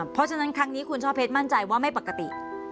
เพราะฉะนั้นครั้งนี้คุณช่อเพชรมั่นใจว่าไม่ปกติ